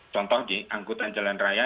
contoh di angkutan jalan raya